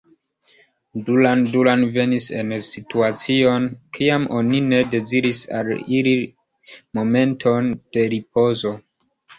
Duran Duran venis en situacion, kiam oni ne deziris al ili momenton de ripozo.